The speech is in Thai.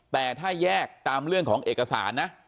แต่ถ้าแยกตามเรื่องของเอกสารนะ